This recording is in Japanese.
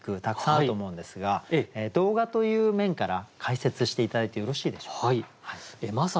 たくさんあると思うんですが動画という面から解説して頂いてよろしいでしょうか？